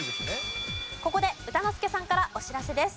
ここで歌之助さんからお知らせです。